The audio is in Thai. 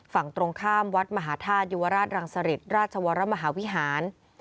ฝั่งตรงข้ามวัดมหาธาตุยุวราชรังสริตราชวรมหาวิหาร